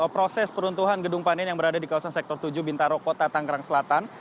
proses peruntuhan gedung panin yang berada di kawasan sektor tujuh bintaro kota tangerang selatan